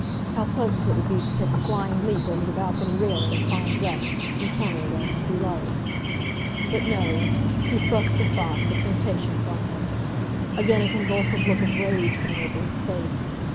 How pleasant it would be to take a flying leap over the balcony railing and find rest, eternal rest, below. But no—he thrust the thought, the temptation, from him. Again a convulsive look of rage came over his face.